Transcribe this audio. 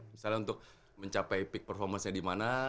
misalnya untuk mencapai peak performance nya di mana